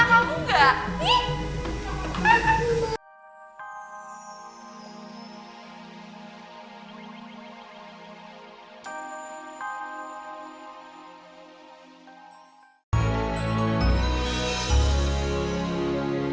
kamu lihat anak versung gak